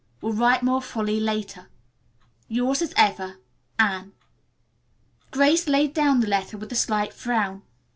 Will write more fully later. "Yours as ever, ANNE." Grace laid down the letter with a slight frown.